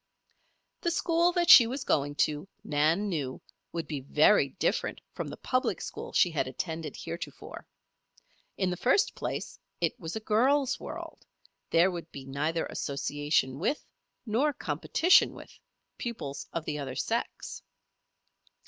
This school that she was going to, Nan knew, would be very different from the public school she had attended heretofore. In the first place, it was a girls' world; there would be neither association with, nor competition with, pupils of the other sex.